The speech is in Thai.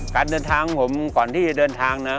การเดินทางของผมก่อนที่จะเดินทางนะ